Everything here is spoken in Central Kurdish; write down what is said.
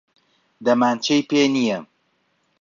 دەمانچەی پێ نییە.